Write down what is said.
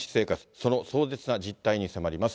その壮絶な実態に迫ります。